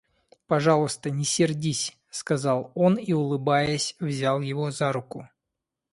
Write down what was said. Пожалуйста, не сердись, — сказал он и улыбаясь взял его за руку.